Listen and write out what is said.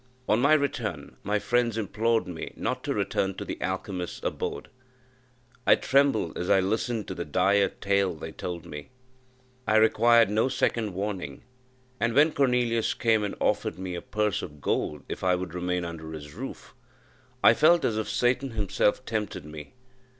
On my return, my friends implored me not to return to the alchymist's abode. I trembled as I listened to the dire tale they told; I required no second warning; and when Cornelius came and offered me a purse of gold if I would remain under his roof, I felt as if Satan himself tempted me.